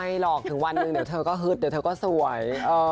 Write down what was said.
หรอกถึงวันหนึ่งเดี๋ยวเธอก็ฮึดเดี๋ยวเธอก็สวย